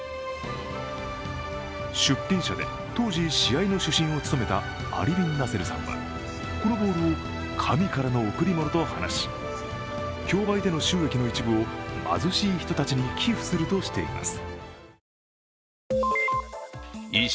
出品者で当時試合の主審を務めたアリ・ビン・ナセルさんはこのボールを神からの贈り物と話し競売での収益の一部を貧しい人たちに寄付するとしています。